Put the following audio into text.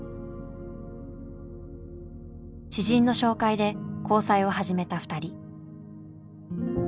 知人の紹介で交際を始めた２人。